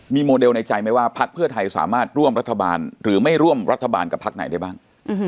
มีโมเดลในใจไหมว่าพักเพื่อไทยสามารถร่วมรัฐบาลหรือไม่ร่วมรัฐบาลกับพักไหนได้บ้าง